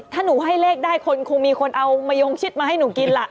ถ้าหนูให้เลขได้คนคงมีคนเอามะยงชิดมาให้หนูกินล่ะ